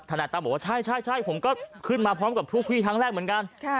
นายตั้มบอกว่าใช่ผมก็ขึ้นมาพร้อมกับพวกพี่ครั้งแรกเหมือนกัน